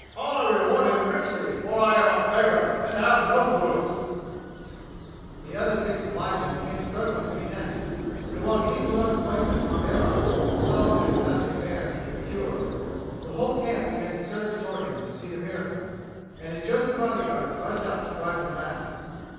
Allah reward him richly, for I am a beggar and have no goods!" The other six blind men came struggling to be next, and while King rubbed ointment on their eyes and saw that there was nothing there he could cure the whole camp began to surge toward him to see the miracle, and his chosen body guard rushed up to drive them back.